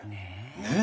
ねえ。